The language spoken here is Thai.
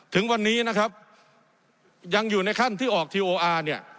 ถึงวันนี้นะครับยังอยู่ในขั้นที่ออกทีโออาร์เนี่ย